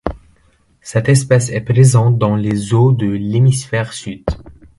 Cette espèce est présente dans les eaux de l'hémisphère sud.